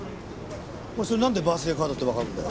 お前それなんでバースデーカードってわかるんだよ？